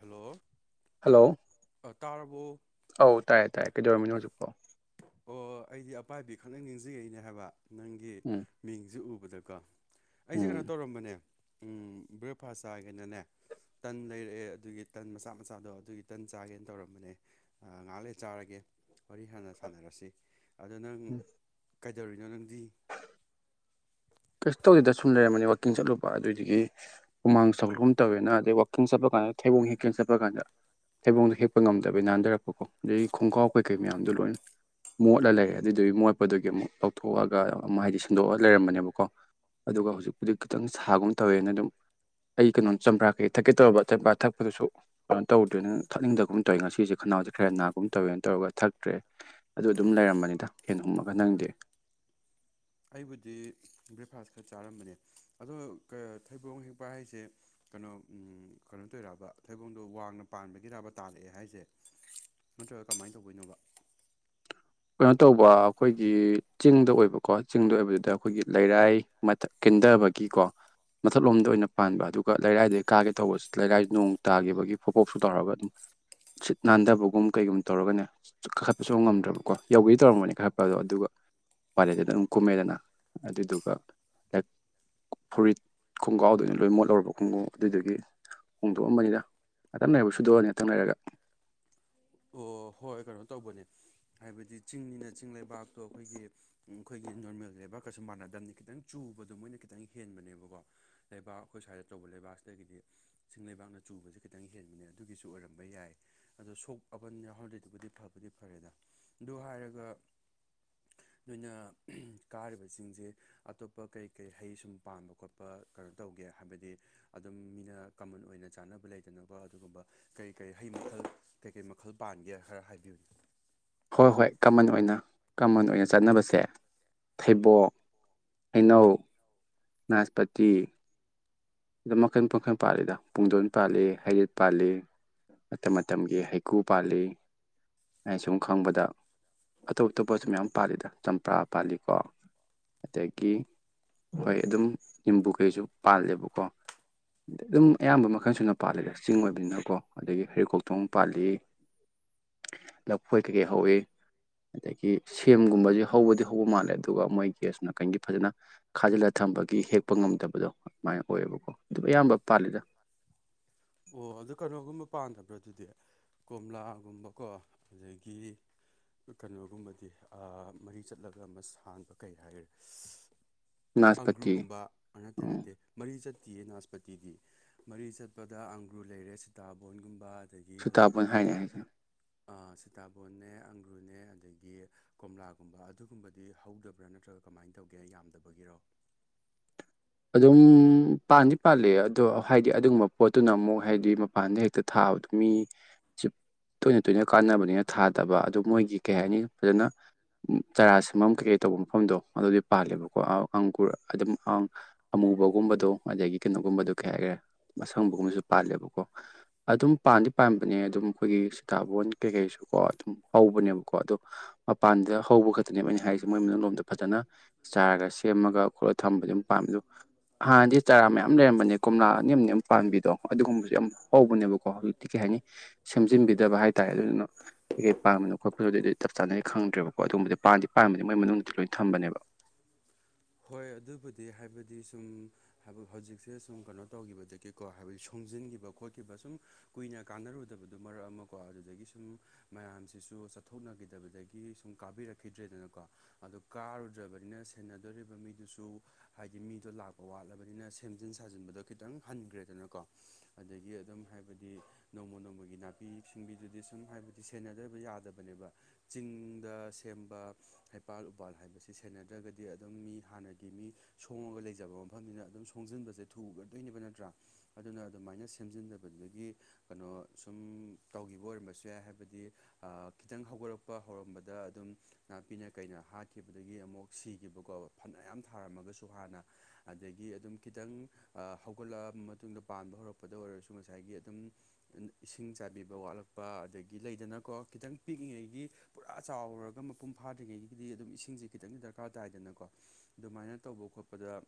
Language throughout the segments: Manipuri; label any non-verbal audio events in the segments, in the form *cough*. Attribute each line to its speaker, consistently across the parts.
Speaker 1: ꯍꯜꯂꯣ
Speaker 2: ꯍꯜꯂꯣ
Speaker 1: ꯑ ꯇꯥꯔꯕꯣ꯫
Speaker 2: ꯑꯧ ꯇꯥꯏꯌꯦ ꯇꯥꯏꯌꯦ ꯀꯩꯗꯧꯔꯝꯃꯤꯅꯣ ꯍꯧꯖꯤꯛꯄꯣ꯫
Speaker 1: ꯑꯣ ꯑꯩꯗꯤ ꯑꯄꯥꯥꯏꯕꯤ ꯈꯅꯪ ꯅꯤꯡꯖꯤꯡꯉꯛꯏꯅꯦ ꯍꯥꯏꯕ ꯅꯪꯒꯤ
Speaker 2: ꯎꯝ
Speaker 1: ꯃꯤꯡꯁꯤ ꯎꯕꯗꯀꯣ꯫ ꯑꯩꯁꯦ ꯀꯩꯅꯣ
Speaker 2: ꯎꯝ
Speaker 1: ꯇꯧꯔꯝꯕꯅꯦ ꯕ꯭ꯔꯦꯛꯐꯥꯁ ꯆꯥꯒꯦꯅꯅꯦ ꯇꯟ ꯂꯩꯔꯛꯑꯦ ꯑꯗꯨꯒꯤ ꯇꯟ ꯃꯆꯥ ꯃꯆꯥꯗꯣ ꯑꯗꯨꯒꯤ ꯇꯟ ꯆꯥꯒꯦꯅ ꯇꯧꯔꯝꯕꯅꯦ꯫ ꯉꯥꯛ ꯂꯩꯔ ꯆꯥꯔꯒꯦ ꯋꯥꯔꯤ ꯁꯥꯟꯅꯁ ꯁꯥꯟꯅꯔꯁꯤ ꯑꯗꯣ ꯅꯪ
Speaker 2: ꯎꯝ
Speaker 1: ꯀꯩꯗꯧꯔꯤꯅꯣ ꯅꯪꯗꯤ꯫
Speaker 2: ꯀꯩꯁꯨ ꯇꯧꯗꯦꯗ ꯁꯨꯝ ꯂꯩꯔꯝꯕꯅꯦ ꯋꯥꯛꯀꯤꯡ ꯆꯠꯂꯨꯕ ꯑꯗꯨꯗꯨꯒꯤ ꯍꯨꯃꯥꯡ ꯁꯧꯈꯤꯒꯨꯝ ꯇꯧꯋꯦꯅ ꯑꯗꯩ ꯋꯥꯛꯀꯤꯡ ꯆꯠꯄ ꯀꯥꯟꯗ ꯊꯩꯕꯣꯡ ꯍꯦꯛꯀꯦ ꯆꯠꯄ ꯀꯥꯟꯗ ꯊꯩꯕꯣꯡꯗꯨ ꯍꯦꯛꯄ ꯉꯝꯗꯕꯩ ꯅꯥꯟꯊꯔꯛꯄꯀꯣ ꯑꯗꯩ ꯈꯣꯡꯒ꯭ꯔꯥꯎ ꯀꯩꯀꯩ ꯃꯌꯥꯝꯗꯣ ꯂꯣꯏꯅ ꯃꯣꯠꯂ ꯂꯩꯔꯦ ꯑꯗꯨꯏꯗꯨꯒꯤ ꯃꯣꯠꯄꯗꯨꯒꯤ ꯑꯃꯨꯛ ꯂꯧꯊꯣꯛꯑꯒ ꯑꯝ ꯍꯥꯏꯗꯤ ꯁꯤꯟꯗꯣꯛꯑ ꯂꯩꯔꯝꯕꯅꯦꯕ ꯀꯣ ꯑꯗꯨꯒ ꯍꯧꯖꯤꯛꯄꯨꯗꯤ ꯈꯤꯇꯪ ꯁꯥꯒꯨꯝ ꯇꯧꯋꯦꯅ ꯑꯗꯨꯝ ꯑꯩ ꯀꯩꯅꯣ ꯆꯝꯄ꯭ꯔꯥ ꯀꯩ ꯊꯛꯀꯦ ꯇꯧꯕ ꯆꯝꯄ꯭ꯔꯥ ꯊꯛꯄꯗꯨꯁꯨ ꯀꯩꯅꯣ ꯇꯧꯗ꯭ꯔꯦꯅ ꯊꯛꯅꯤꯡꯗꯒꯨꯝ ꯇꯧꯋꯦ ꯉꯁꯤꯁꯦ ꯈꯅꯥꯎꯁꯦ ꯈꯔ ꯅꯥꯒꯨꯝ ꯇꯧꯋꯦꯅ ꯇꯧꯔꯒ ꯊꯛꯇ꯭ꯔꯦ ꯑꯗꯨ ꯑꯗꯨꯝ ꯂꯩꯔꯝꯕꯅꯤꯗ ꯐꯦꯟ ꯍꯨꯝꯃꯒ ꯅꯪꯗꯤ
Speaker 1: ꯑꯩꯕꯨꯗꯤ ꯕ꯭ꯔꯦꯛꯐꯥꯁ ꯈꯔ ꯆꯥꯔꯝꯕꯅꯦ ꯑꯗꯣ ꯊꯩꯕꯣꯡ ꯍꯦꯛꯄ ꯍꯥꯏꯁꯦ ꯀꯩꯅꯣ ꯀꯩꯅꯣ ꯇꯧꯋꯤꯔꯕ ꯊꯣꯏꯕꯣꯡꯗꯣ ꯋꯥꯡꯅ ꯄꯥꯟꯕꯒꯤꯔꯕ ꯇꯥꯔꯛꯑꯦ ꯍꯥꯏꯁꯦ ꯅꯠꯇ꯭ꯔꯒ ꯀꯃꯥꯏꯅ ꯇꯧꯕꯩꯅꯣꯕ
Speaker 2: ꯀꯩꯅꯣ ꯇꯧꯕ ꯑꯩꯈꯣꯏꯒꯤ ꯆꯤꯡꯗ ꯑꯣꯏꯕꯀꯣ ꯆꯤꯡꯗ ꯑꯣꯏꯕꯗꯨꯗ ꯑꯩꯈꯣꯏꯒꯤ ꯂꯩꯔꯥꯏ ꯃꯊꯛ ꯀꯤꯟꯊꯕꯒꯤꯀꯣ ꯃꯊꯛꯂꯣꯝꯗ ꯑꯣꯏꯅ ꯄꯥꯟꯕ ꯑꯗꯨꯒ ꯂꯩꯔꯥꯏꯗꯩ ꯀꯥꯒꯦ ꯇꯧꯕꯁꯤ ꯂꯩꯔꯥꯏ ꯅꯣꯡ ꯇꯥꯈꯤꯕꯒꯤ ꯐꯣꯄꯣꯞꯁꯨ ꯇꯧꯔꯒ ꯑꯗꯨꯝ ꯁꯤꯠ ꯅꯥꯟꯊꯕꯒꯨꯝ ꯀꯩꯒꯨꯝꯕ ꯇꯧꯔꯒꯅꯦ ꯀꯥꯈꯠꯄꯁꯨ ꯉꯝꯗ꯭ꯔꯕꯀꯣ ꯌꯧꯒꯦ ꯇꯧꯔꯝꯕꯅꯦ ꯀꯥꯈꯠꯄꯗꯣ ꯑꯗꯨꯒ ꯎꯄꯥꯢ ꯂꯩꯇꯗꯅ ꯑꯗꯨꯝ ꯀꯨꯝꯃꯦꯗꯅ ꯑꯗꯨꯗꯨꯒ ꯐꯨꯔꯤꯠ ꯈꯣꯡꯒꯥꯎꯗꯣ ꯂꯣꯏ ꯃꯣꯠꯂꯧꯔꯕ ꯈꯣꯡꯎꯞ ꯑꯗꯨꯢꯗꯨꯒꯤ ꯍꯣꯡꯗꯣꯛꯑꯝꯕꯅꯤꯗ ꯉꯥꯇꯪ ꯂꯩꯔꯗꯤ ꯁꯨꯗꯣꯛꯑꯅꯤ ꯉꯥꯛꯇꯪ ꯂꯩꯔꯒ
Speaker 1: ꯑꯣ ꯍꯣꯏ ꯀꯩꯅꯣ ꯇꯧꯕꯅꯦ ꯍꯥꯏꯕꯗꯤ ꯆꯤꯡꯅꯤꯅ ꯆꯤꯡ ꯂꯩꯕꯥꯛꯇꯣ ꯑꯈꯣꯏꯒꯤ ꯑꯈꯣꯏꯒꯤ ꯅꯣꯔꯃꯦꯜ ꯂꯩꯕꯥꯛꯀꯁꯨ ꯃꯥꯟꯅꯗꯝꯅꯤ ꯈꯤꯇꯪ ꯆꯨꯕꯗꯣ ꯃꯣꯏꯅ ꯈꯤꯇꯪ ꯍꯦꯟꯕꯅꯦꯕꯀꯣ ꯂꯩꯕꯥꯛ ꯑꯈꯣꯏ ꯁ꯭ꯋꯥꯏꯗ ꯇꯧꯕ ꯂꯩꯕꯥꯛꯁꯤꯗꯒꯤꯗꯤ ꯆꯤꯡ ꯂꯩꯕꯥꯛꯅ ꯆꯨꯕꯁꯦ ꯈꯤꯇꯪ ꯍꯦꯟꯕꯅꯦ ꯑꯗꯨꯒꯤꯁꯨ ꯑꯣꯏꯔꯝꯕ ꯌꯥꯏ ꯑꯗꯣ ꯁꯣꯛ ꯑꯕꯅꯤꯅ ꯍꯧꯖꯤꯕꯨꯗꯤ ꯐꯕꯨꯗꯤ ꯐꯔꯦꯗ ꯑꯗꯨ ꯍꯥꯏꯔꯒ ꯅꯣꯏꯅ ꯀꯥꯔꯤꯕ ꯆꯤꯡꯖꯦ ꯑꯇꯣꯞꯄ ꯀꯩ ꯀꯩ ꯍꯩ ꯁꯨꯝ ꯄꯥꯟꯕꯥ ꯈꯣꯠꯄ ꯀꯩꯅꯣ ꯇꯧꯒꯦ ꯍꯥꯏꯕꯗꯤ ꯑꯗꯨꯝ ꯃꯤꯅ ꯀꯃꯟ ꯑꯣꯏꯅ ꯆꯥꯅꯕ ꯂꯩꯗꯅꯀꯣ ꯑꯗꯨꯒꯨꯝꯕ ꯀꯔꯤ ꯀꯔꯤ ꯍꯩ ꯃꯈꯜ ꯀꯩꯀꯩ ꯃꯈꯜ ꯄꯥꯟꯒꯦ ꯈꯔ ꯍꯥꯏꯕꯤꯌꯨꯅꯦ
Speaker 2: ꯍꯣꯏ ꯍꯣꯏ ꯀꯃꯟ ꯑꯣꯏꯅ ꯀꯃꯟ ꯑꯣꯏꯅ ꯆꯠꯅꯕꯁꯦ ꯊꯩꯕꯣꯡ ꯍꯩꯅꯧ ꯅꯥꯁꯄꯇꯤ ꯁꯤꯗ ꯃꯈꯟ ꯄꯈꯟ ꯄꯥꯜꯂꯤꯗ ꯄꯨꯡꯗꯣꯟ ꯄꯥꯜꯂꯤ ꯍꯩꯔꯤꯠ ꯄꯥꯜꯂꯤ ꯃꯇꯝ ꯃꯇꯝꯒꯤ ꯍꯩꯀꯨ ꯄꯥꯜꯂꯤ ꯑꯩꯅ ꯁꯨꯝ ꯈꯪꯕꯗ ꯑꯇꯣꯞ ꯑꯇꯣꯞꯄꯁꯨ ꯃꯌꯥꯝ ꯄꯥꯜꯂꯤꯗ ꯆꯝꯄ꯭ꯔꯥ ꯄꯥꯜꯂꯤꯀꯣ ꯑꯗꯒꯤ ꯍꯣꯏ ꯑꯗꯨꯝ ꯅꯤꯝꯕꯨ ꯈꯩꯁꯨ ꯄꯥꯜꯂꯦꯕꯀꯣ ꯑꯗꯨꯝ ꯑꯌꯥꯝꯕ ꯃꯈꯜ ꯁꯨꯅ ꯄꯥꯜꯂꯤꯗ ꯆꯤꯡ ꯑꯣꯏꯕꯅꯤꯅꯀꯣ ꯑꯗꯒꯤ ꯍꯩꯔꯤꯀꯣꯛꯊꯣꯡ ꯄꯥꯜꯂꯤ ꯂꯐꯣꯏ ꯀꯩꯀꯩ ꯍꯧꯏ ꯑꯗꯒꯤ ꯁꯦꯝꯒꯨꯝꯕꯖꯦ ꯍꯧꯕꯗꯤ ꯍꯧꯕ ꯃꯥꯜꯂꯦ ꯑꯗꯨꯒ ꯃꯣꯏꯒꯦꯁ ꯅꯥꯀꯟꯒꯤ ꯐꯖꯅ ꯈꯥꯖꯤꯜꯂ ꯊꯝꯕꯒꯤ ꯍꯦꯛꯄ ꯉꯝꯗꯕꯗꯣ ꯑꯗꯨꯃꯥꯏꯅ ꯑꯣꯏꯌꯦꯕꯀꯣ ꯑꯗꯨ ꯑꯌꯥꯝꯕ ꯄꯥꯜꯂꯤꯗ
Speaker 1: ꯑꯣ ꯑꯗꯨ ꯀꯩꯅꯣꯒꯨꯝꯕ ꯄꯥꯟꯗꯕ꯭ꯔꯥ ꯑꯗꯨꯗꯤ ꯀꯣꯝꯂꯥꯒꯨꯝꯕꯀꯣ ꯑꯗꯒꯤ ꯀꯩꯅꯣꯒꯨꯝꯕꯗꯤ ꯑꯥ ꯃꯔꯤ ꯆꯠꯂꯒ ꯑꯃ ꯁꯥꯡꯕ ꯀꯩ ꯍꯥꯏꯔꯦ ꯁꯤꯁ
Speaker 2: ꯅꯥꯁꯄꯇꯤ
Speaker 1: ꯑꯪꯒ꯭ꯔꯨꯒꯨꯝꯕ ꯅꯠꯇꯦ
Speaker 2: ꯎꯝ
Speaker 1: ꯅꯠꯇꯦ ꯃꯔꯤ ꯆꯠꯇꯤꯌꯦ ꯅꯥꯁꯄꯇꯤꯗꯤ ꯃꯔꯤ ꯆꯠꯄꯗ ꯑꯪꯒ꯭ꯔꯨ ꯂꯩꯔꯦ ꯁꯤꯇꯥꯕꯣꯟꯒꯨꯝꯕ ꯑꯗꯒꯤ
Speaker 2: ꯁꯨꯇꯥꯕꯣꯟ
Speaker 1: ꯍꯧꯖꯤꯛꯀꯤ
Speaker 2: ꯍꯥꯏꯅꯦ ꯍꯥꯏꯁꯦ
Speaker 1: ꯑꯥ ꯁꯤꯇꯥꯕꯣꯟꯅꯦ ꯑꯪꯒ꯭ꯔꯨꯅꯦ ꯑꯗꯒꯤ ꯀꯣꯝꯂꯥꯒꯨꯝꯕ ꯑꯗꯨꯒꯨꯝꯕꯗꯤ ꯍꯧꯗꯕ꯭ꯔꯥ ꯅꯠꯇ꯭ꯔꯒ ꯀꯃꯥꯏꯟ ꯇꯧꯒꯦ ꯌꯥꯝꯗꯕꯒꯤꯔꯣ
Speaker 2: ꯑꯗꯨꯝ ꯄꯥꯟꯗꯤ ꯄꯥꯜꯂꯦ ꯑꯗꯣ ꯍꯥꯏꯗꯤ ꯑꯗꯨꯒꯨꯝꯕ ꯄꯣꯠꯇꯨꯅ ꯑꯃꯨꯛ ꯍꯥꯏꯗꯤ ꯃꯄꯥꯟꯗ ꯍꯦꯛꯇ ꯊꯥꯕꯗꯨ ꯃꯤ ꯁꯤꯞ ꯇꯣꯏꯅ ꯇꯣꯏꯅ ꯀꯥꯟꯅꯕꯅꯤꯅ ꯊꯥꯗꯕ ꯑꯗꯨ ꯃꯣꯏꯒꯤ ꯀꯩ ꯍꯥꯏꯅꯤ ꯐꯖꯅ ꯆꯔꯥ ꯁꯦꯝꯐꯝ ꯀꯩꯀꯩ ꯇꯧꯕ ꯃꯐꯝꯗꯣ ꯑꯗꯨꯗꯤ ꯄꯥꯜꯂꯦꯕꯀꯣ ꯑꯥ ꯑꯪꯒ꯭ꯨꯔ ꯑꯗꯨꯝ ꯑꯥ ꯑꯃꯨꯕꯒꯨꯝꯕꯗꯣ ꯑꯗꯒꯤ ꯀꯩꯅꯣꯒꯨꯝꯕꯗꯣ ꯀꯩ ꯍꯥꯏꯒ꯭ꯔꯦ ꯑꯁꯪꯕꯒꯨꯝꯕꯁꯨ ꯄꯥꯜꯂꯦꯕꯀꯣ ꯑꯗꯨꯝ ꯄꯥꯟꯗꯤ ꯄꯥꯟꯕꯅꯦ ꯑꯗꯨꯝ ꯑꯩꯈꯣꯏꯒꯤ ꯁꯤꯇꯥꯕꯣꯟ ꯀꯩꯀꯩꯁꯨ ꯀꯣ ꯑꯗꯨꯝ ꯍꯧꯕꯅꯦꯕꯀꯣ ꯑꯗꯨ ꯑꯞ ꯄꯥꯟꯗ ꯍꯧꯕ ꯈꯛꯇꯅꯦꯕ ꯑꯩꯅ ꯍꯥꯏꯔꯤꯁꯦ ꯃꯣꯏ ꯃꯅꯨꯡ ꯂꯣꯝꯗ ꯐꯖꯅ ꯆꯥꯔꯒ ꯁꯦꯝꯃꯒ ꯄ ꯊꯝꯕꯗꯤ ꯑꯗꯨꯝ ꯄꯥꯝꯃꯦ ꯑꯗꯨꯝ ꯍꯥꯟꯅꯗꯤ ꯆꯥꯔꯥ ꯃꯌꯥꯝ ꯂꯩꯔꯝꯕꯅꯦ ꯀꯣꯝꯂꯥ ꯑꯅꯤ ꯑꯝꯅꯦ ꯄꯥꯟꯕꯤꯗꯣ ꯑꯗꯨꯒꯨꯝꯕꯁꯨ ꯌꯥꯝ ꯍꯧꯕꯅꯦꯕꯀꯣ ꯍꯧꯖꯤꯛꯇꯤ ꯀꯩ ꯍꯥꯏꯅꯤ ꯁꯦꯝꯖꯤꯟꯕꯤꯗꯕ ꯍꯥꯏꯇꯥꯔꯦ ꯑꯗꯨꯗꯨꯅ ꯀꯩꯀꯩ ꯄꯥꯟꯕꯅꯣ ꯈꯣꯠꯄꯅꯣꯗꯨꯗꯤ ꯑꯗꯨꯗꯤ ꯆꯞ ꯆꯥꯅꯩ ꯈꯪꯗ꯭ꯔꯦꯕꯀꯣ ꯑꯗꯨꯝꯕꯗꯤ ꯄꯥꯟꯗꯤ ꯄꯥꯟꯕꯅꯤ ꯃꯣꯏ ꯃꯅꯨꯡꯗꯗꯤ ꯂꯣꯏ ꯊꯝꯕꯅꯦꯕ
Speaker 1: ꯍꯣꯏ ꯑꯗꯨꯕꯨꯗꯤ ꯍꯥꯏꯕꯗꯤ ꯁꯨꯝ ꯍꯥꯏꯕ ꯍꯧꯖꯤꯛꯁꯦ ꯁꯨꯝ ꯀꯩꯅꯣ ꯇꯧꯈꯤꯕꯗꯒꯤꯀꯣ ꯍꯥꯏꯕꯗꯤ ꯁꯣꯡꯖꯤꯟꯒꯤꯕ ꯈꯣꯠꯈꯤꯕ ꯁꯨꯝ ꯀꯨꯏꯅ ꯀꯥꯟꯅꯔꯨꯗꯕꯗꯨ ꯃꯔꯛ ꯑꯃ ꯀꯣ ꯑꯗꯨꯗꯒꯤ ꯁꯨꯝ ꯃꯌꯥꯝꯁꯤꯁꯨ ꯆꯠꯊꯣꯛꯅꯈꯤꯗꯕꯗꯒꯤ ꯁꯨꯝ ꯀꯥꯕꯤꯔꯛꯈꯤꯗ꯭ꯔꯦꯗꯅꯀꯣ ꯑꯗꯨ ꯀꯥꯔꯨꯗ꯭ꯔꯕꯅꯤꯅ ꯁꯦꯟꯅ ꯗꯨꯔꯤꯕ ꯃꯤꯗꯨꯁꯨ ꯍꯥꯏꯗꯤ ꯃꯤꯗꯣ ꯂꯥꯛꯄ ꯋꯥꯠꯂꯕꯅꯤꯅ ꯁꯦꯝꯖꯤꯟ ꯁꯥꯖꯤꯟꯕꯗ ꯈꯤꯇꯪ ꯍꯟꯒ꯭ꯔꯦꯗꯅꯀꯣ ꯑꯗꯒꯤ ꯑꯗꯨꯝ ꯍꯥꯏꯕꯗꯤ ꯅꯣꯡꯃ ꯅꯣꯡꯃꯒꯤ ꯅꯥꯄꯤ ꯁꯤꯡꯕꯤꯗꯨꯗꯤ ꯁꯨꯝ ꯍꯥꯏꯕꯗꯤ ꯁꯦꯟꯅꯗꯕ ꯌꯥꯗꯕꯅꯦꯕ ꯆꯤꯡꯗ ꯁꯦꯝꯕ ꯍꯩꯄꯥꯜ ꯎꯄꯥꯜ ꯍꯥꯏꯕꯁꯦ ꯁꯦꯟꯅꯗ꯭ꯔꯒꯗꯤ ꯑ ꯗꯨꯝ ꯃꯤ ꯍꯥꯟꯅꯒꯤ ꯃꯤ ꯁꯣꯡꯉꯒ ꯂꯩꯖꯕ ꯃꯐꯝꯅꯤꯅ ꯑꯗꯨꯝ ꯁꯣꯡꯖꯤꯟꯕꯖꯦ ꯊꯨꯒꯗꯣꯏꯅꯦꯕ ꯅꯠꯇ꯭ꯔꯥ ꯑꯗꯨꯅ ꯑꯗꯨꯃꯥꯏꯅ ꯁꯦꯝꯖꯤꯟꯗꯕꯗꯗꯒꯤ ꯀꯅꯣ ꯁꯨꯝ ꯇꯧꯒꯤꯕ ꯑꯣꯏꯔꯝꯕꯁꯨ ꯌꯥꯏ ꯍꯥꯏꯕꯗꯤ ꯑꯥ ꯈꯤꯇꯪ ꯍꯧꯒꯔꯛꯄ ꯍꯧꯔꯝꯕꯗ ꯑꯗꯨꯝ ꯅꯥꯄꯤꯅ ꯀꯩꯅ ꯍꯥꯠꯈꯤꯕꯗꯒꯤ ꯑꯃꯨꯛ ꯁꯤ ꯒꯤꯕꯀꯣ ꯐꯅꯌꯥꯝ ꯊꯥꯔꯝꯃꯒꯁꯨ ꯍꯥꯟꯅ ꯑꯗꯒꯤ ꯑꯗꯨꯝ ꯈꯤꯇꯪ ꯑꯥ ꯍꯧꯒꯠꯂꯛꯑꯕ ꯃꯇꯨꯡꯗ ꯄꯥꯟꯕ ꯍꯧꯔꯛꯄꯗ ꯑꯣꯏꯔꯁꯨ ꯉꯁꯥꯏꯒꯤ ꯑꯗꯨꯝ ꯏꯁꯤꯡ ꯆꯥꯏꯕꯤꯕ ꯋꯥꯠꯂꯛꯄ ꯑꯗꯒꯤ ꯂꯩꯗꯅꯀꯣ ꯈꯤꯇꯪ ꯄꯤꯛꯏꯉꯩꯒꯤ ꯄꯨꯔꯥ ꯆꯥꯎꯔꯨꯔꯒ ꯃꯄꯨꯡ ꯐꯥꯗ꯭ꯔꯤꯉꯩꯒꯤꯗꯤ ꯑꯗꯨꯝ ꯏꯁꯤꯡꯖꯦ ꯈꯤꯇꯪꯗꯤ ꯗꯔꯀꯥꯔ ꯇꯥꯏꯗꯅꯀꯣ ꯗꯨꯃꯥꯏꯅ ꯇꯧꯕ ꯈꯣꯠꯄꯗ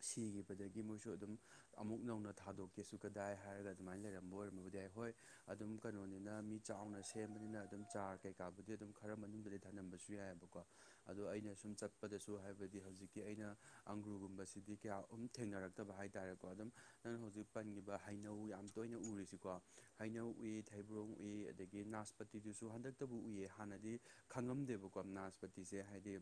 Speaker 1: ꯁꯤꯒꯤꯕꯗꯒꯤ ꯃꯣꯏꯁꯨ ꯑꯗꯨꯝ ꯑꯃꯨꯛ ꯅꯧꯅ ꯊꯥꯗꯣꯛꯀꯦꯁꯨ ꯀꯗꯥꯏ ꯍꯥꯏꯔꯒ ꯑꯗꯨꯃꯥꯏꯟ ꯂꯩꯔꯝꯕ ꯑꯣꯏꯔꯝꯕꯕꯨꯗꯤ ꯌꯥꯏ ꯍꯣꯏ ꯑꯗꯨꯝ ꯀꯩꯅꯣꯅꯤꯅ ꯃꯤ ꯆꯥꯎꯅ ꯁꯦꯝꯕꯅꯤꯅ ꯑꯗꯨꯝ ꯆꯥꯔ ꯀꯩꯀꯥꯕꯨꯗꯤ ꯑꯗꯨꯝ ꯈꯔ ꯃꯅꯨꯡꯗ ꯊꯅꯝꯕꯁꯨ ꯌꯥꯏꯑꯕꯀꯣ ꯑꯗꯣ ꯑꯩꯅ ꯁꯨꯝ ꯆꯠꯄꯗꯁꯨ ꯍꯥꯏꯕꯗꯤ ꯍꯧꯖꯤꯛꯀꯤ ꯑꯩꯅ ꯑꯪꯒ꯭ꯔꯨꯒꯨꯝꯕꯁꯤꯗꯤ ꯀꯌꯥ ꯎꯝ ꯊꯦꯡꯅꯔꯛꯇꯕ ꯍꯥꯏꯇꯥꯥꯔꯦꯀꯣ ꯑꯗꯨꯝ ꯅꯪ ꯍꯧꯖꯤꯛ ꯄꯟꯒꯤꯕ ꯍꯩꯅꯧ ꯌꯥꯝ ꯇꯣꯏꯅ ꯎꯔꯤꯁꯤꯀꯣ ꯍꯩꯅꯧ ꯎꯨꯏ ꯊꯩꯕ꯭ꯔꯣꯡ ꯎꯨꯏ ꯑꯗꯒꯤ ꯅꯥꯁꯄꯇꯤꯗꯨꯁꯨ ꯍꯟꯗꯛꯇꯕꯨ ꯎꯨꯏꯌꯦ ꯍꯥꯟꯅꯗꯤ ꯈꯪꯉꯝꯗꯦꯕꯀꯣ ꯅꯥꯁꯄꯇꯤꯁꯦ ꯍꯥꯏꯗꯤ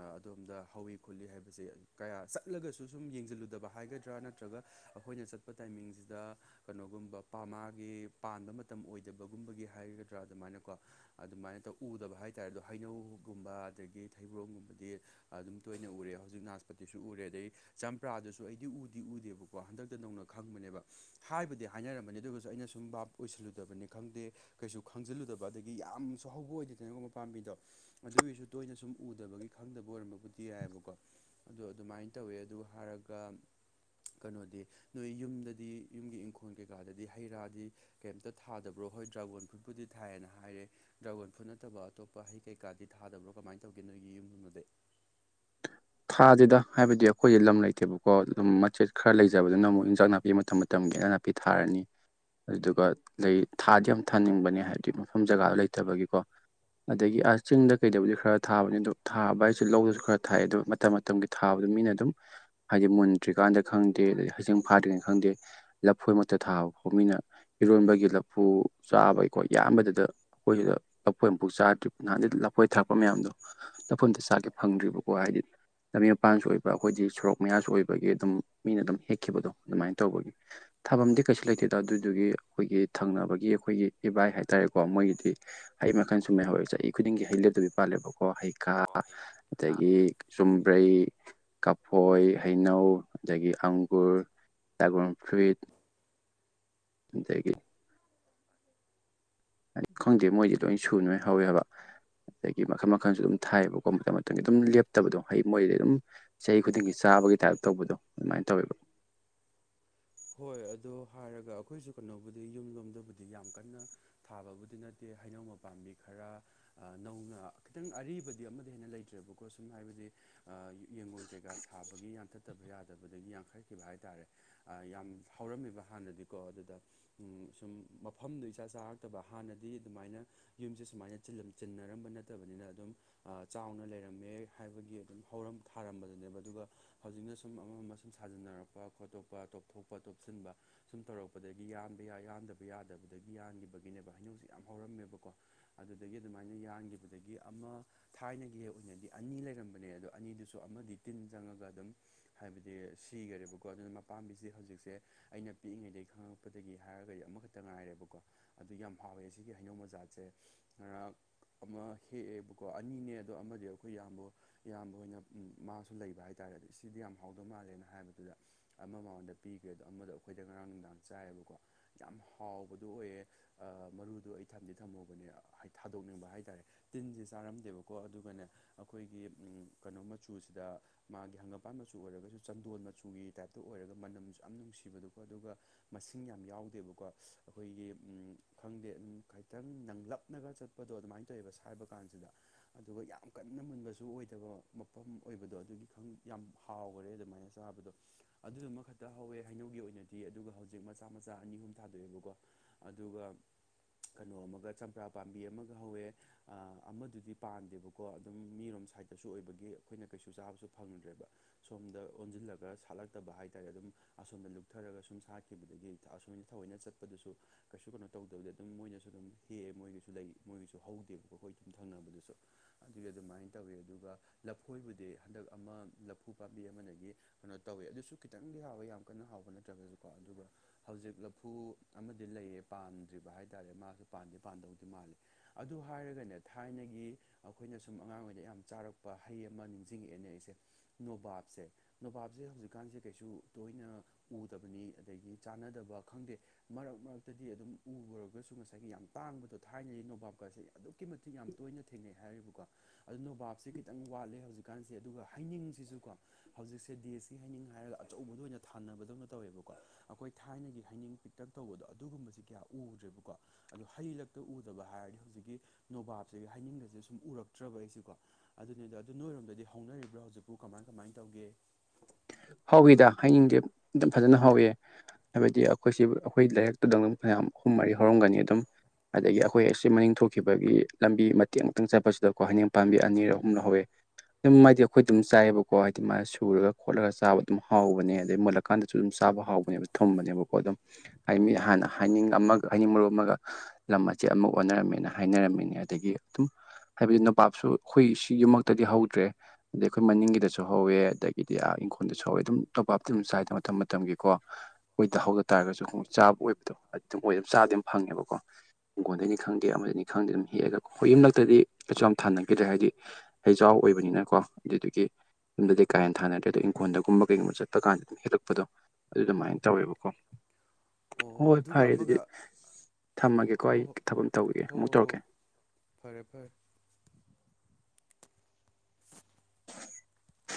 Speaker 1: ꯑꯥ ꯑꯗꯣꯝꯗ ꯍꯧꯋꯤ ꯈꯣꯠꯂꯤ ꯍꯥꯏꯕꯖꯦ ꯀꯌꯥ ꯆꯠꯂꯒꯁꯨ ꯁꯨꯝ ꯌꯦꯡꯖꯜꯂꯨꯗꯕ ꯍꯥꯏꯒꯗ꯭ꯔꯥ ꯅꯠꯇ꯭ꯔꯒ ꯑꯈꯣꯏꯅ ꯆꯠꯄ ꯇꯥꯏꯃꯤꯡꯖꯤꯗꯥ ꯀꯅꯣꯒꯨꯝꯕ ꯄꯥ ꯃꯥꯒꯤ ꯄꯥꯟꯕ ꯃꯇꯝ ꯑꯣꯏꯗꯕꯒꯨꯝꯕꯒꯤ ꯍꯥꯏꯒꯗ꯭ꯔꯥ ꯑꯗꯨꯃꯥꯏꯅꯀꯣ ꯑꯗꯨꯃꯥꯏꯅ ꯇꯧ ꯎꯗꯕ ꯍꯥꯏꯇꯥꯥꯔꯦꯗꯣ ꯍꯩꯅꯧꯒꯨꯝꯕ ꯑꯗꯒꯤ ꯊꯩꯕ꯭ꯔꯣꯡꯒꯨꯝꯕ ꯗꯤ ꯑꯗꯨꯝ ꯇꯣꯏꯅ ꯎꯔꯦ ꯍꯧꯖꯤꯛ ꯅꯥꯁꯄꯇꯤꯁꯨ ꯎꯔꯦ ꯑꯗꯩ ꯆꯝꯄ꯭ꯔꯥꯗꯨꯁꯨ ꯑꯩꯗꯤ ꯎꯗꯤ ꯎꯗꯦꯕꯀꯣ ꯍꯟꯗꯛꯇ ꯅꯧꯅ ꯈꯪꯕꯅꯦꯕ ꯍꯥꯏꯕꯨꯗꯤ ꯍꯥꯏꯅꯔꯝꯃꯅꯦ ꯑꯗꯨꯒꯖꯨ ꯑꯩꯅ ꯁꯨꯝ ꯕꯥꯞ ꯎꯁꯜꯂꯨꯗꯕꯅꯦ ꯈꯪꯗꯦ ꯀꯩꯁꯨ ꯈꯪꯖꯤꯜꯂꯨꯗꯕ ꯑꯗꯒꯤ ꯌꯥꯝꯁꯨ ꯍꯧꯕ ꯑꯣꯏꯗꯦꯗꯅꯒꯣ ꯃꯄꯥꯝꯕꯤꯗꯣ ꯑꯗꯨꯒꯤꯁꯨ ꯇꯣꯏꯅ ꯁꯨꯝ ꯎꯗꯕꯒꯤ ꯈꯪꯗꯕ ꯑꯣꯏꯔꯝꯕꯕꯨꯗꯤ ꯌꯥꯏꯑꯦꯕꯀꯣ ꯑꯗꯣ ꯑꯗꯨꯃꯥꯏꯟ ꯇꯧꯋꯦ ꯑꯗꯨ ꯍꯥꯏꯔꯒ ꯀꯩꯅꯣꯗꯤ ꯅꯣꯏ ꯌꯨꯝꯗꯗꯤ ꯌꯨꯝꯒꯤ ꯏꯪꯈꯣꯜ ꯀꯩꯀꯥꯗꯗꯤ ꯍꯩ ꯔꯥꯗꯤ ꯀꯦꯝꯇ ꯊꯥꯗꯕ꯭ꯔꯣ ꯍꯣꯏ ꯗ꯭ꯔꯥꯒꯣꯟ ꯐ꯭ꯔꯨꯠꯄꯨꯗꯤ ꯊꯥꯏ ꯑꯅ ꯍꯥꯏꯔꯦ ꯗ꯭ꯔꯥꯒꯣꯟ ꯐ꯭ꯔꯨꯠ ꯅꯠꯇꯕ ꯑꯇꯣꯞꯄ ꯍꯩ ꯀꯩꯀꯥꯗꯤ ꯊꯥꯗꯕ꯭ꯔꯣ ꯀꯃꯥꯏꯟ ꯇꯧꯒꯦ ꯅꯣꯏꯒꯤ ꯌꯨꯝ ꯗꯗꯤ *inaudible*
Speaker 2: ꯊꯥꯗꯦꯗꯥ ꯍꯥꯏꯕꯗꯤ ꯑꯩꯈꯣꯏꯖꯦ ꯂꯝ ꯂꯩꯇꯦꯕꯀꯣ ꯑꯗꯨꯝ ꯃꯆꯦꯠ ꯈ꯭ꯔ ꯂꯩꯖꯕꯗꯨꯅ ꯑꯃꯨꯛ ꯏꯟꯖꯥꯡ ꯅꯥꯄꯤ ꯃꯇꯝ ꯃꯇꯝꯒꯤ ꯑꯩꯅ ꯄꯤ ꯊꯥꯔꯅꯤ ꯑꯗꯨꯗꯨꯒ ꯂꯩ ꯊꯥꯗꯤ ꯌꯥꯝ ꯊꯥꯅꯤꯡꯕꯅꯦ ꯍꯥꯏꯕꯗꯤ ꯃꯐꯝ ꯖꯒꯥ ꯂꯩꯇꯕꯒꯤꯀꯣ ꯑꯗꯒꯤ ꯑꯥ ꯆꯤꯡꯗ ꯀꯩꯗꯕꯨꯗꯤ ꯈꯔ ꯊꯥꯕꯅꯦ ꯗꯣ ꯊꯥꯕ ꯍꯥꯏꯁꯦ ꯂꯧꯗꯁꯨ ꯈꯔ ꯊꯥꯏ ꯑꯗꯣ ꯃꯇꯝ ꯃꯇꯝꯒꯤ ꯊꯥꯕꯗ ꯃꯤꯅ ꯑꯗꯨꯝ ꯍꯥꯏꯗꯤ ꯃꯨꯟꯗ꯭ꯔꯤꯀꯥꯟꯗ ꯈꯪꯗꯦ ꯑꯗꯩ ꯍꯩꯖꯤꯡ ꯐꯥꯗ꯭ꯔꯤꯅꯤ ꯈꯪꯗꯦ ꯂꯐꯣꯏꯃꯛꯇ ꯊꯥꯕ ꯐꯣ ꯃꯤꯅ ꯏꯔꯣꯟꯕꯒꯤ ꯂꯐꯨ ꯆꯥꯕꯩꯀꯣ ꯌꯥꯟꯕꯗꯗ ꯈꯣꯏꯖꯤꯗ ꯂꯐꯣꯏ ꯑꯝꯐꯣꯛ ꯆꯥꯗ꯭ꯔꯤ ꯅꯍꯥꯟꯗꯩ ꯂꯐꯣꯏ ꯊꯥꯔꯛꯄ ꯃꯌꯥꯝꯗꯣ ꯂꯐꯣꯏ ꯑꯝꯇ ꯆꯥꯒꯦ ꯐꯪꯗ꯭ꯔꯤꯕ ꯋꯥ ꯍꯥꯏꯗꯤ ꯂꯝꯕꯤ ꯃꯄꯥꯟꯁꯨ ꯑꯣꯏꯕ ꯑꯈꯣꯏꯗꯤ ꯁꯣꯔꯣꯛ ꯃꯌꯥꯁꯨ ꯑꯣꯏꯕꯒꯤ ꯑꯗꯨꯝ ꯃꯤꯅ ꯗꯨꯝ ꯍꯦꯛꯈꯤꯕꯗꯣ ꯑꯗꯨꯃꯥꯏꯟ ꯇꯧꯕꯒꯤ ꯊꯥꯕꯝꯗꯤ ꯀꯩꯁꯨ ꯂꯩꯇꯦꯗꯥ ꯑꯗꯨꯗꯨꯒꯤ ꯈꯣꯏꯒꯤ ꯊꯪꯅꯕꯒꯤ ꯑꯈꯣꯏꯒꯤ ꯏꯚꯥꯏ ꯍꯥꯏꯇꯥꯔꯦꯀꯣ ꯃꯣꯏꯒꯤꯗꯤ ꯍꯩ ꯃꯈꯟ ꯁꯨꯅ ꯍꯧꯋꯦ ꯆꯍꯤ ꯈꯨꯗꯤꯡꯒꯤ ꯍꯩ ꯂꯦꯞꯇꯕꯤ ꯄꯥꯜꯂꯦꯕꯀꯣ ꯍꯩꯈꯥ ꯑꯗꯩ ꯗꯤ ꯆꯨꯝꯕ꯭ꯔꯩ ꯀꯐꯣꯏ ꯍꯩꯅꯧ ꯑꯗꯒꯤ ꯑꯪꯒꯨꯔ ꯗ꯭ꯔꯥꯒꯣꯟ ꯐ꯭ꯔꯨꯏꯠ ꯑꯗꯒꯤ ꯍꯥꯏ ꯈꯪꯗꯦ ꯃꯣꯏꯗꯤ ꯂꯣꯏ ꯁꯨꯅ ꯂꯣꯢ ꯍꯧꯋꯦꯕꯥ ꯑꯗꯒꯤ ꯃꯈꯟ ꯃꯈꯟꯁꯨ ꯑꯗꯨꯝ ꯊꯥꯏꯌꯦꯕꯀꯣ ꯃꯇꯝ ꯃꯇꯝꯒꯤ ꯑꯗꯨꯝ ꯂꯦꯞꯇꯕꯗꯣ ꯍꯩ ꯃꯣꯏꯗꯤ ꯑꯗꯨꯝ ꯆꯍꯤ ꯈꯨꯗꯤꯡꯒꯤ ꯆꯥꯕꯒꯤ ꯇꯥꯏꯞ ꯇꯧꯕꯗꯣ ꯑꯗꯨꯃꯥꯏꯟ ꯇꯧꯋꯦꯕ
Speaker 1: ꯍꯣꯏ ꯑꯗꯣ ꯍꯥꯏꯔꯒ ꯑꯈꯣꯏꯁꯨ ꯀꯅꯣꯕꯨꯗꯤ ꯌꯨꯝ ꯂꯣꯝꯗꯕꯨꯗꯤ ꯌꯥꯝ ꯀꯟꯅ ꯊꯥꯕꯕꯨꯗꯤ ꯅꯠꯇꯦ ꯍꯩꯅꯧ ꯃꯄꯥꯝꯕꯤ ꯈꯔ ꯑꯥ ꯅꯧꯅ ꯈꯤꯇꯪ ꯑꯔꯤꯕꯗꯤ ꯑꯃꯗꯩꯩ ꯍꯦꯟꯅ ꯂꯩꯇ꯭ꯔꯦꯕꯀꯣ ꯁꯨꯝ ꯍꯥꯏꯕꯗꯤ ꯑꯥ ꯌꯦꯡꯒꯣꯟ ꯀꯩꯀꯥ ꯁꯥꯕꯒꯤ ꯌꯥꯟꯊꯠꯇꯕ ꯌꯥꯗꯕꯗꯒꯤ ꯌꯥꯟꯊꯠꯈꯤꯕ ꯍꯥꯏ ꯇꯥꯔꯦ ꯑꯥ ꯌꯥꯝ ꯍꯧꯔꯝꯃꯦꯕ ꯍꯥꯟꯅꯗꯤꯀꯣ ꯑꯗꯨꯗ ꯎꯝ ꯁꯨꯝ ꯃꯐꯝꯗꯨ ꯏꯆꯥ ꯆꯥꯔꯛꯇꯕ ꯍꯥꯟꯅꯗꯤ ꯑꯗꯨꯃꯥꯏꯅ ꯌꯨꯝꯁꯦ ꯁꯨꯃꯥꯏꯅ ꯆꯤꯜꯂꯝ ꯆꯤꯟꯅꯔꯝꯕ ꯅꯠꯇꯕꯅꯤꯅ ꯑꯗꯨꯝ ꯑꯥ ꯆꯥꯎꯅ ꯂꯩꯔꯝꯃꯦ ꯍꯥꯏꯕꯒꯤ ꯑꯗꯨꯝ ꯍꯧꯔꯝ ꯊꯥꯔꯝꯕꯗꯨꯅꯦꯕ ꯑꯗꯨꯒ ꯍꯧꯖꯤꯛꯅ ꯁꯨꯝ ꯑꯃ ꯑꯃ ꯁꯨꯝ ꯁꯥꯖꯤꯟꯅꯔꯛꯄ ꯈꯣꯠꯇꯣꯛꯄ ꯇꯣꯞꯊꯣꯛꯄ ꯇꯣꯞꯁꯤꯟꯕ ꯁꯨꯝ ꯇꯧꯔꯛꯄꯗꯒꯤ ꯌꯥꯟꯕ ꯌꯥꯏ ꯌꯥꯟꯗꯕ ꯌꯥꯗꯕꯗꯒꯤ ꯌꯥꯟꯈꯤꯕꯒꯤꯅꯦꯕ ꯍꯥꯅꯧꯁꯨ ꯌꯥꯝ ꯍꯧꯔꯝꯃꯦꯕꯀꯣ ꯑꯗꯨꯗꯒꯤ ꯑꯗꯨꯃꯥꯏꯅ ꯌꯥꯟꯈꯤꯕꯗꯒꯤ ꯑꯃ ꯊꯥꯏꯅꯒꯤ ꯑꯣꯏꯅꯗꯤ ꯑꯅꯤ ꯂꯩꯔꯝꯕꯅꯦ ꯑꯗꯣ ꯑꯅꯤꯗꯨꯁꯨ ꯑꯃꯗꯤ ꯇꯤꯟ ꯆꯪꯉꯒ ꯑꯗꯨꯝ ꯍꯥꯏꯕꯗꯤ ꯁꯤꯒꯔꯦꯕꯀꯣ ꯑꯗꯨꯅ ꯃ ꯄꯥꯝꯕꯤꯁꯦ ꯍꯧꯖꯤꯛꯁꯦ ꯑꯩꯅ ꯄꯤꯛꯏꯉꯩꯗꯒꯤ ꯈꯪꯉꯛꯄꯗꯒꯤ ꯍꯥꯏꯔꯒꯗꯤ ꯑꯃꯈꯛꯇ ꯉꯥꯏꯔꯦꯕꯀꯣ ꯑꯗꯨ ꯌꯥꯝ ꯍꯥꯎꯋꯦ ꯁꯤꯒꯤ ꯍꯩꯅꯧ ꯃꯖꯥꯠꯁꯦ ꯉꯔꯥꯡ ꯑꯃ ꯍꯦꯛꯑꯦꯕꯀꯣ ꯑꯅꯤꯅꯦ ꯑꯗꯣ ꯑꯃꯗꯤ ꯑꯩꯈꯣꯏ ꯏꯌꯥꯝꯕ ꯏꯌꯥꯝꯕ ꯍꯣꯏꯅ ꯃꯥꯁꯨ ꯂꯩꯕ ꯍꯥꯏ ꯇꯥꯔꯦ ꯁꯤꯗꯤ ꯌꯥꯝ ꯍꯥꯎꯗꯧ ꯃꯥꯜꯂꯦꯅ ꯍꯥꯏꯕꯗꯨꯗ ꯑꯃ ꯃꯉꯣꯟꯗ ꯄꯤꯈ꯭ꯔꯦꯗꯣ ꯑꯃꯗꯣ ꯑꯩꯈꯣꯏꯗ ꯉꯔꯥꯡ ꯅꯨꯡꯗꯥꯡ ꯆꯥꯏꯌꯦꯕꯀꯣ ꯌꯥꯝ ꯍꯥꯎꯕꯗꯣ ꯑꯣꯏꯌꯦ ꯑꯥ ꯃꯔꯨꯗꯨ ꯑꯩ ꯊꯝꯗꯤ ꯊꯝꯍꯧꯕꯅꯦ ꯊꯥꯗꯣꯛꯅꯤꯡꯕ ꯍꯥꯏ ꯇꯥꯔꯦ ꯇꯤꯟꯁꯤ ꯆꯥꯔꯝꯗꯦꯕꯀꯣ ꯑꯗꯨꯒꯅꯦ ꯑꯩꯈꯣꯏꯒꯤ ꯀꯩꯅꯣ ꯃꯆꯨꯁꯤꯗ ꯃꯥꯒꯤ ꯍꯪꯒꯝꯄꯥꯥꯟ ꯃꯆꯨ ꯑꯣꯏꯔꯒꯁꯨ ꯆꯟꯗꯣꯟ ꯃꯆꯨꯒꯤ ꯇꯥꯏꯞ ꯇꯨ ꯑꯣꯏꯔꯒ ꯃꯅꯝꯁꯨ ꯌꯥꯝ ꯅꯨꯡꯁꯤꯕꯗꯨꯀꯣ ꯑꯗꯨꯒ ꯃꯁꯤꯡ ꯌꯥꯝ ꯌꯥꯎꯗꯦꯕꯀꯣ ꯑꯈꯣꯏꯒꯤ ꯎꯝ ꯈꯪꯗꯦ ꯈꯩꯇꯪ ꯅꯪꯂꯞꯅꯒ ꯆꯠ ꯄꯗꯣ ꯑꯗꯨꯃꯥꯏꯟ ꯇꯧꯋꯦꯕ ꯁꯥꯏꯕꯀꯥꯟꯁꯤꯗ ꯑꯗꯨꯒ ꯌꯥꯝ ꯀꯟꯅ ꯃꯨꯟꯕꯁꯨ ꯑꯣꯏꯗꯕ ꯃꯐꯝ ꯑꯣꯏꯕꯗꯣ ꯑꯗꯨꯒꯤ ꯈꯪ ꯌꯥꯝ ꯍꯥꯎꯒꯔꯦ ꯑꯗꯨꯃꯥꯏꯅ ꯆꯥꯕꯗꯣ ꯑꯗꯨꯗꯨꯃꯈꯛꯇ ꯍꯧꯋꯦ ꯍꯩꯅꯧꯒꯤ ꯑꯣꯏꯅꯗꯤ ꯑꯗꯨꯒ ꯍꯧꯖꯤꯛ ꯃꯆꯥ ꯃꯆꯥ ꯑꯅꯤ ꯑꯍꯨꯝ ꯊꯥꯗꯣꯛꯑꯦꯕꯀꯣ ꯑꯗꯨꯒ ꯀꯩꯅꯣ ꯑꯃꯒ ꯆꯝꯄ꯭ꯔꯥ ꯄꯥꯝꯕꯤ ꯑꯃꯒ ꯍꯧꯋꯦ ꯑꯃꯗꯨꯗꯤ ꯄꯥꯟꯗꯦꯕꯀꯣ ꯑꯗꯨꯝ ꯃꯤꯔꯣꯝ ꯁꯥꯏꯠꯇꯁꯨ ꯑꯣꯏꯕꯒꯤ ꯑꯩꯈꯣꯏꯅ ꯀꯩꯁꯨ ꯆꯥꯕꯁꯨ ꯐꯪꯗ꯭ꯔꯦꯕ ꯁꯣꯝꯗ ꯑꯣꯟꯁꯤꯜꯂꯒ ꯁꯥꯠꯂꯛ ꯐꯠꯇꯕ ꯍꯥꯏꯇꯥꯥꯔꯦ ꯑꯗꯨꯝ ꯑꯁꯣꯝꯗ ꯂꯨꯞꯊꯔꯒ ꯁꯨꯝ ꯁꯥꯠꯈꯤꯕꯗꯒꯤ ꯑꯁꯣꯝꯗ ꯊꯥꯑꯣꯏꯅ ꯆꯠꯄꯗꯨꯁꯨ ꯀꯩꯁꯨ ꯀꯩꯅꯣ ꯇꯧꯗꯕꯗ ꯑꯗꯨꯝ ꯃꯣꯏꯅꯁꯨ ꯑꯗꯨꯝ ꯍꯦꯛꯑꯦ ꯃꯣꯏꯒꯤꯁꯨ ꯂꯩ ꯃꯣꯏꯒꯤꯁꯨ ꯍꯧꯗꯦꯕꯀꯣ ꯑꯩꯈꯣꯏ ꯑꯗꯨꯝ ꯊꯪꯅꯕꯗꯨꯁꯨ ꯑꯗꯨꯒꯤ ꯑꯗꯨꯃꯥꯏꯅ ꯇꯧꯋꯤ ꯑꯗꯨꯒ ꯂꯐꯣꯏꯕꯨꯗꯤ ꯍꯟꯗꯛ ꯑꯃ ꯂꯐꯨ ꯄꯥꯝꯕꯤ ꯑꯃꯗꯒꯤ ꯀꯩꯅꯣ ꯇꯧꯋꯦ ꯑꯗꯨꯁꯨ ꯈꯤꯇꯪꯗꯤ ꯍꯥꯎꯋꯦ ꯌꯥꯝ ꯀꯟꯅ ꯍꯥꯎꯕ ꯅꯠꯇ꯭ꯔꯒꯁꯨꯀꯣ ꯑꯗꯨꯒ ꯍꯧꯖꯤꯛ ꯂꯐꯨ ꯑꯃꯗꯤ ꯂꯩꯌꯦ ꯄꯥꯟꯗ꯭ꯔꯤꯕ ꯍꯥꯏ ꯇꯥꯔꯦ ꯃꯥꯁꯨ ꯄꯥꯟꯗꯤ ꯄꯥꯟꯗꯧꯗꯤ ꯃꯥꯜꯂꯦ ꯑꯗꯨ ꯍꯥꯏꯔꯒꯅꯦ ꯊꯥꯏꯅꯒꯤ ꯑꯩꯈꯣꯏꯅ ꯁꯨꯝ ꯑꯉꯥꯡꯑꯣꯏꯔꯤꯉꯩꯗ ꯌꯥꯝ ꯆꯥꯔꯛꯄ ꯍꯩ ꯑꯃ ꯅꯤꯡꯁꯤꯡꯉꯛꯑꯦꯅꯦ ꯑꯩꯁꯦ ꯅꯣꯕꯥꯞꯁꯦ ꯅꯣꯕꯥꯞꯁꯦ ꯍꯧꯖꯤꯛ ꯀꯥꯟꯁꯦ ꯀꯩꯁꯨ ꯇꯣꯏꯅ ꯎꯗꯕꯅꯤ ꯑꯗꯒꯤ ꯆꯥꯟꯅꯗꯕ ꯈꯪꯗꯦ ꯃꯔꯛ ꯃꯔꯛꯇꯗꯤ ꯑꯗꯨꯝ ꯎꯔꯨꯔꯒꯁꯨ ꯉꯁꯥꯏꯒꯤ ꯌꯥꯝ ꯇꯥꯡꯕꯗꯣ ꯊꯥꯏꯅꯩ ꯅꯣꯕꯥꯞꯀꯥꯁꯦ ꯑꯗꯨꯛꯀꯤ ꯃꯇꯤꯛ ꯌꯥꯝ ꯇꯣꯏꯅ ꯊꯦꯡꯅꯩ ꯍꯥꯏꯔꯤꯕꯀꯣ ꯑꯗꯨ ꯅꯣꯕꯥꯞꯁꯦ ꯈꯤꯇꯪ ꯋꯥꯠꯂꯦ ꯍꯧꯖꯤꯛꯀꯥꯟꯁꯦ ꯑꯗꯨꯒ ꯍꯩꯅꯤꯡꯁꯤꯁꯨꯀꯣ ꯍꯧꯖꯤꯛꯁꯦ ꯗꯦꯁ ꯍꯩꯅꯤꯡ ꯍꯥꯏꯔꯒ ꯑꯆꯧꯕꯗꯨ ꯑꯣꯏꯅ ꯊꯥꯅꯕꯗꯧꯅ ꯇꯧꯋꯦꯕꯀꯣ ꯑꯩꯈꯣꯏ ꯊꯥꯏꯅꯒꯤ ꯍꯩꯅꯤꯡ ꯄꯤꯛꯇꯛ ꯇꯧꯕꯗꯣ ꯑꯗꯨꯒꯨꯝꯕꯁꯦ ꯀꯌꯥ ꯎꯗ꯭ꯔꯦꯕꯀꯣ ꯑꯗꯣ ꯍꯩꯂꯛꯇ ꯎꯗꯕ ꯍꯥꯏꯔꯗꯤ ꯍꯧꯖꯤꯛꯀꯤ ꯅꯣꯕꯥꯞꯁꯤ ꯍꯩꯅꯤꯡꯒꯁꯦ ꯁꯨꯝ ꯎꯔꯛꯇ꯭ꯔꯕ ꯑꯩꯁꯤꯀꯣ ꯑꯗꯨꯅꯤꯗ ꯑꯗꯨ ꯅꯣꯏꯔꯣꯝꯗꯗꯤ ꯍꯧꯅꯔꯤꯕ꯭ꯔꯣ ꯍꯧꯖꯤꯛꯄꯨ ꯀꯃꯥꯏ ꯀꯃꯥꯏꯅ ꯇꯧꯒꯦ
Speaker 2: ꯍꯧꯏꯗ ꯍꯩꯅꯤꯡꯗꯤ ꯑꯗꯨꯝ ꯐꯖꯅ ꯍꯧꯏ ꯍꯥꯏꯕꯗꯤ ꯑꯩꯈꯣꯏꯁꯤ ꯑꯩꯈꯣꯏ ꯂꯩꯔꯛꯇꯨꯗꯪ ꯐꯅꯌꯥꯝ ꯑꯍꯨꯝ ꯃꯔꯤ ꯍꯧꯔꯝꯒꯅꯤ ꯑꯗꯨꯝ ꯑꯗꯒꯤ ꯑꯩꯈꯣꯏ ꯑꯁꯤ ꯃꯅꯤꯡ ꯊꯣꯛꯈꯤꯕꯒꯤ ꯂꯝꯕꯤ ꯃꯇꯦꯛ ꯃꯨꯛꯇꯪ ꯆꯠꯄꯁꯤꯗꯀꯣ ꯍꯩꯅꯤꯡ ꯄꯥꯝꯕꯤ ꯑꯅꯤꯔ ꯑꯍꯨꯝꯂ ꯍꯧꯋꯦ ꯑꯗꯨꯝ ꯍꯥꯏꯗꯤ ꯑꯩꯈꯣꯏ ꯑꯗꯨꯝ ꯆꯥꯏꯌꯦꯕꯀꯣ ꯍꯥꯏꯗꯤ ꯃꯥ ꯁꯨꯔꯒ ꯈꯣꯠꯂꯒ ꯆꯥꯕ ꯑꯗꯨꯝ ꯍꯥꯎꯕꯅꯦ ꯑꯗꯩ ꯃꯨꯜꯂꯛ ꯀꯥꯟꯗꯁꯨ ꯑꯗꯨꯝ ꯆꯥꯕ ꯍꯥꯎꯕꯅꯦꯕ ꯊꯨꯝꯕꯅꯦꯕꯀꯣ ꯑꯗꯨꯝ ꯍꯥꯏꯗꯤ ꯃꯤ ꯍꯥꯟꯅ ꯍꯩꯅꯤꯡ ꯑꯃꯒ ꯍꯩꯅꯤꯡ ꯃꯔꯨ ꯑꯃꯒ ꯂꯝ ꯃꯆꯦꯠ ꯑꯃ ꯑꯣꯟꯅꯔꯝꯃꯦꯅ ꯍꯥꯏꯅꯔꯝꯃꯤꯅꯦ ꯑꯗꯒꯤ ꯑꯗꯨꯝ ꯍꯥꯏꯕꯗꯤ ꯅꯣꯕꯥꯞꯁꯨ ꯑꯩꯈꯣꯏ ꯁꯤ ꯌꯨꯝꯃꯛꯇꯗꯤ ꯍꯧꯗ꯭ꯔꯦ ꯑꯗꯩ ꯑꯩꯈꯣꯏ ꯃꯅꯤꯡꯒꯤꯗꯁꯨ ꯍꯧꯋꯦ ꯑꯗꯩ ꯗꯤ ꯑꯥ ꯏꯪꯈꯣꯜꯗ ꯁꯨꯨ ꯑꯗꯨꯝ ꯅꯣꯄꯥꯞꯇꯤ ꯑꯗꯨꯝ ꯆꯥꯏꯗ ꯃꯇꯝ ꯃꯇꯝꯒꯤꯀꯣ ꯑꯩꯈꯣꯏꯗ ꯍꯧꯗ ꯇꯥꯔꯒꯁꯨ ꯆꯥꯕ ꯑꯣꯏꯕꯗꯣ ꯑꯗꯨꯝ ꯑꯣꯏꯝ ꯆꯥꯕꯗꯤ ꯑꯗꯨꯝ ꯐꯪꯉꯦꯕꯀꯣ ꯍꯪꯒꯣꯟꯗꯒꯤꯅꯤ ꯈꯪꯗꯦ ꯑꯃꯗꯅꯤ ꯈꯪꯗꯦ ꯑꯗꯨꯝ ꯍꯦꯛꯑꯒ ꯑꯩꯈꯣꯏ ꯌꯨꯝꯂꯛꯇꯗꯤ ꯀꯩꯁꯨ ꯌꯥꯝ ꯊꯥꯅꯈꯤꯗ꯭ꯔꯦ ꯍꯥꯏꯗꯤ ꯍꯩꯖꯥꯎ ꯑꯣꯏꯕꯅꯤꯅꯀꯣ ꯑꯗꯨꯗꯨꯒꯤ ꯌꯨꯝꯗꯗꯤ ꯀꯥ ꯍꯦꯟꯅ ꯊꯥꯅꯗ꯭ꯔꯦ ꯑꯗꯣ ꯏꯪꯈꯣꯜꯗꯒꯨꯝꯕ ꯀꯩꯒꯨꯝꯕ ꯆꯠꯄ ꯀꯥꯟꯗ ꯑꯗꯨꯝ ꯍꯦꯜꯂꯛꯄꯗꯣ ꯑꯗꯨ ꯑꯗꯨꯃꯥꯏꯅ ꯇꯧꯋꯦꯕꯀꯣ
Speaker 1: ꯑꯣ
Speaker 2: ꯍꯣꯏ
Speaker 1: ꯑꯗꯨꯒ
Speaker 2: ꯐꯔꯦ ꯑꯗꯨꯗꯤ
Speaker 1: ꯑꯃꯒ
Speaker 2: ꯊꯝꯃꯒꯦꯀꯣ
Speaker 1: ꯍꯣ
Speaker 2: ꯑꯩ
Speaker 1: ꯍꯣ
Speaker 2: ꯊꯕꯛ ꯑꯃ ꯇꯧꯈꯤꯒꯦ
Speaker 1: ꯍꯣ
Speaker 2: ꯑꯃꯨꯛ
Speaker 1: ꯍꯣ
Speaker 2: ꯇꯧꯔꯛꯀꯦ
Speaker 1: ꯐꯔꯦ ꯐꯔꯦ